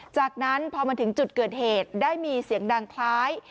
จากนั้นพอมาถึงจุดเกิดเหตุได้มีเสียงดังคล้าย